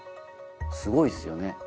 すごいっすよね。